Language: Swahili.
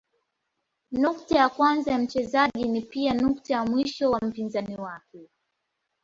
Nukta ya kwanza ya mchezaji ni pia nukta ya mwisho wa mpinzani wake.